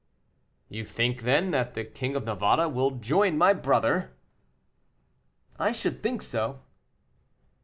"You think, then, that the King of Navarre will join my brother?" "I should think so."